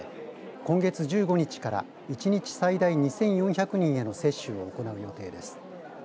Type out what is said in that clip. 今月１５日から１日最大２４００人への接種を行う予定です。